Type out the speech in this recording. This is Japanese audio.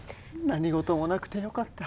何事もなくてよかった。